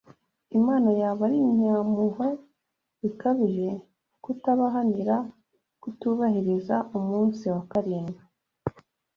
Imana yaba ari inyampuhwe bikabije mu kutabahanira kutubahiriza umunsi wa karindwi